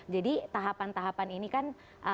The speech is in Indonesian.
jadi tahapan tahapan ini kan